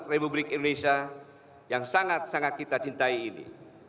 republik indonesia yang sangat sangat kita cintai ini